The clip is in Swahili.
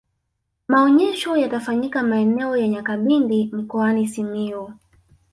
maonyesho yatafanyika maeneo ya nyakabindi mkoani simiyu